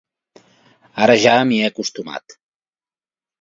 Ara ja m'hi he acostumat.